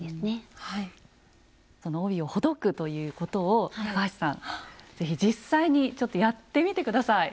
その帯をほどくということを高橋さん是非実際にちょっとやってみて下さい。